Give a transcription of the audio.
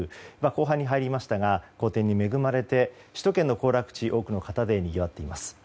後半に入りましたが好天に恵まれて首都圏の行楽地多くの方でにぎわっています。